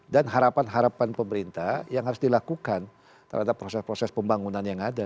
dan harapan harapan pemerintah yang harus dilakukan terhadap proses proses pembangunan yang ada